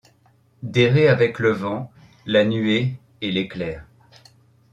D’errer avec le vent, la nuée et l’éclair